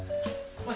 よし！